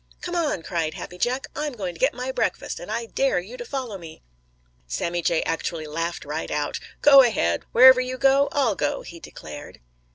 "Come on!" cried Happy Jack. "I'm going to get my breakfast, and I dare you to follow me!" Sammy Jay actually laughed right out. "Go ahead. Wherever you go, I'll go," he declared.